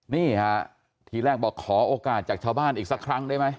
นี่ฮะทีแรกบอกขอโอกาสจากชาวบ้านอีกสักครั้งได้ไหม